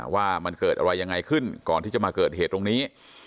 ว่ามันเกิดอะไรยังไงขึ้นก่อนที่จะมาเกิดเหตุตรงนี้